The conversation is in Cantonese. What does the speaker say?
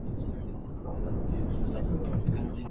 清楚明白